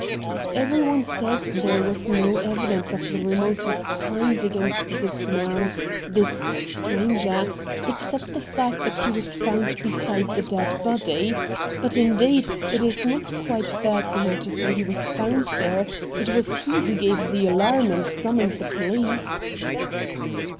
'Everyone says there was no evidence of the remotest kind against this man — this <_ stranger — except the fact that he was found beside the dead body. But, indeed, it is not quite fair to him to say he was found there ; 192 RED DIAMONDS it was he who gave the alarm and summoned the police.'